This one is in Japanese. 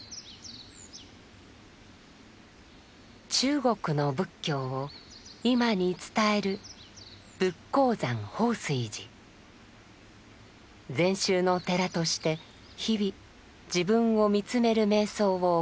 中国の仏教を今に伝える禅宗の寺として日々自分を見つめる瞑想を行っています。